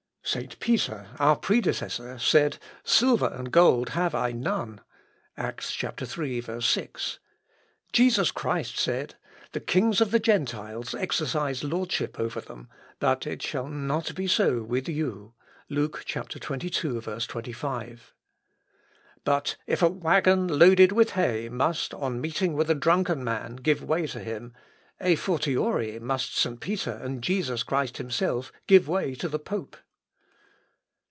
Saint Peter, our predecessor, said, 'Silver and gold have I none,' (Acts, iii, 6.) Jesus Christ said, 'The kings of the Gentiles exercise lordship over them; but it shall not be so with you.' (Luke, xxii, 25.) But if a waggon loaded with hay must, on meeting with a drunken man, give way to him, à fortiori must St. Peter and Jesus Christ himself give way to the pope."